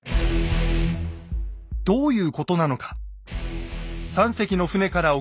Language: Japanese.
どういうことなのか。